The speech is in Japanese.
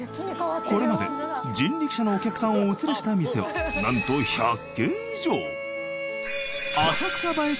これまで人力車のお客さんをお連れした店はなんと浅草映え